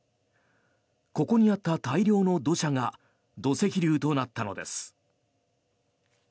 ここにあった大量の土砂が土石流となったのです。